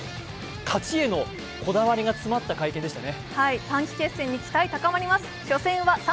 勝ちへのこだわりが詰まった会見でしたね。